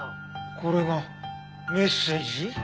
これがメッセージ？